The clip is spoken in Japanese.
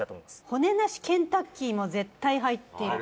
骨なしケンタッキーも絶対入ってる。